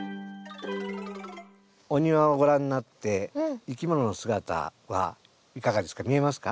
お庭をご覧なっていきものの姿はいかがですか？